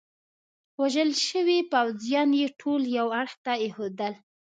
وژل شوي پوځیان يې ټول یوه اړخ ته ایښودل.